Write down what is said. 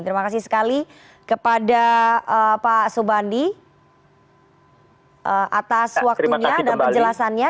terima kasih sekali kepada pak sobandi atas waktunya dan penjelasannya